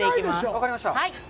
分かりました。